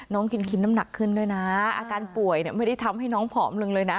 น้องกินน้ำหนักขึ้นด้วยนะอาการป่วยเนี่ยไม่ได้ทำให้น้องผอมลงเลยนะ